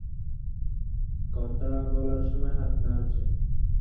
কথা বলার সময় হাত নাড়ছেন।